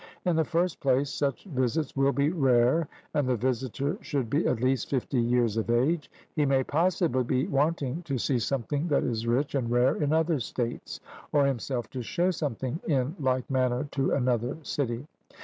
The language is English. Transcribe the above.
In the first place, such visits will be rare, and the visitor should be at least fifty years of age; he may possibly be wanting to see something that is rich and rare in other states, or himself to show something in like manner to another city.